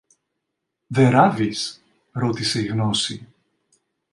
Δε ράβεις; ρώτησε η Γνώση.